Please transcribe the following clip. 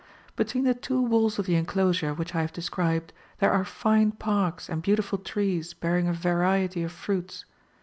] Between the two walls of the enclosure which I have described, there are fine parks and beautiful trees bear ing a variety of fruits.